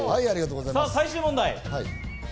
最終問題。